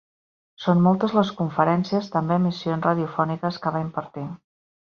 Són moltes les conferències, també emissions radiofòniques, que va impartir.